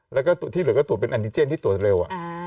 แล้วก็ที่เหลือก็ตรวจเป็นแอนติเจนที่ตรวจเร็ว